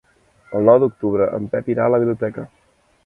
El nou d'octubre en Pep irà a la biblioteca.